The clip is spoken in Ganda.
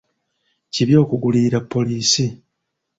Kibi okugulirira poliisi?